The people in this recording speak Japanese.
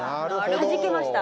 はじけました。